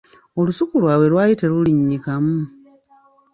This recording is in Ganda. Olusuku lwabwe lwali terulinnyikamu.